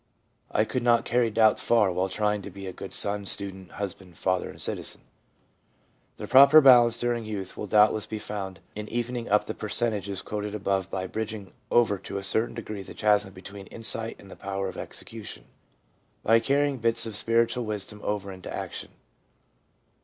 I could not carry doubts far while trying to be a good son, student, husband, father and citizen.' The proper balance during youth will doubtless be found in evening up the percentages quoted above by bridging over to a certain degree the chasm between insight and the power of execution — by carrying bits of spiritual wisdom over into action.